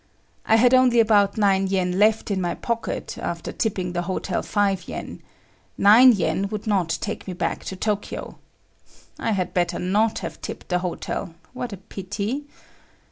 I had only about 9 yen left in my pocket after tipping the hotel 5 yen. Nine yen would not take me back to Tokyo. I had better not have tipped the hotel; what a pity!